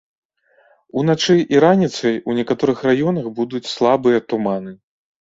Уначы і раніцай у некаторых раёнах будуць слабыя туманы.